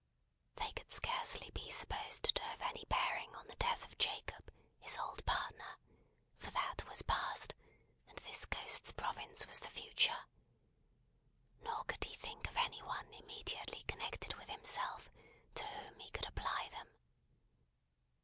They could scarcely be supposed to have any bearing on the death of Jacob, his old partner, for that was Past, and this Ghost's province was the Future. Nor could he think of any one immediately connected with himself, to whom he could apply them.